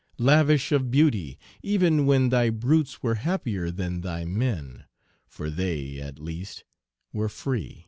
Lavish of beauty, even when Thy brutes were happier than thy men, For they, at least, were free!